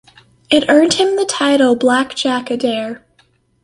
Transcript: It earned him the title "Black Jack Adair".